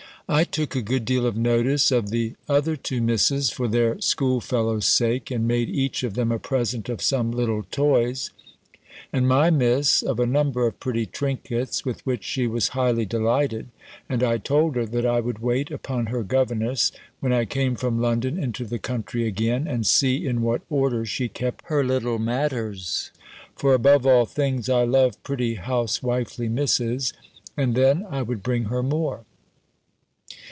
I took a good deal of notice of the other two Misses, for their school fellow's sake, and made each of them a present of some little toys; and my Miss, of a number of pretty trinkets, with which she was highly delighted; and I told her, that I would wait upon her governess, when I came from London into the country again, and see in what order she kept her little matters; for, above all things, I love pretty house wifely Misses; and then, I would bring her more.